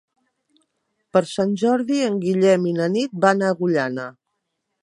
Per Sant Jordi en Guillem i na Nit van a Agullana.